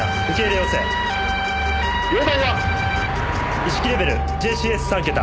「容態は？」意識レベルＪＣＳ３桁。